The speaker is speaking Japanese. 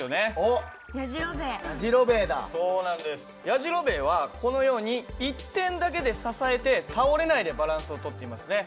やじろべえはこのように１点だけで支えて倒れないでバランスを取っていますね。